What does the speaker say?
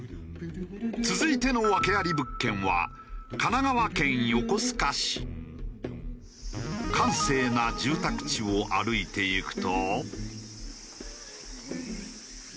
続いての訳あり物件は閑静な住宅地を歩いていくと。